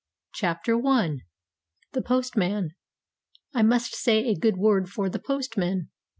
PART II I THE POSTMAN I must say a good word for the postman.